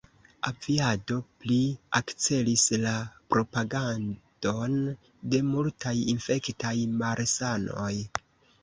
Aviado pli akcelis la propagadon de multaj infektaj malsanoj.